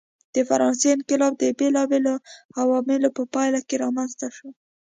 د فرانسې انقلاب د بېلابېلو عواملو په پایله کې رامنځته شو.